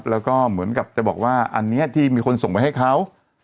แล้วก็เหมือนกับจะบอกว่าอันนี้ที่มีคนส่งไปให้เขา